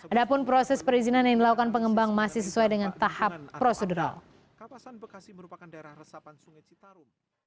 ada pun proses perizinan yang dilakukan pengembang masih sesuai dengan tahap prosedural